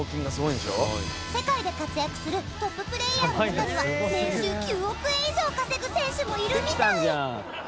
世界で活躍するトッププレーヤーの中には年収９億円以上稼ぐ選手もいるみたい。